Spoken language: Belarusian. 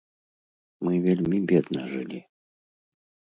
Мы вельмі бедна жылі.